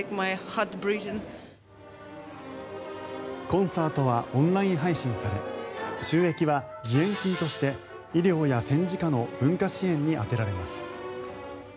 コンサートはオンライン配信され収益は義援金として医療や戦時下の文化支援に充てられます。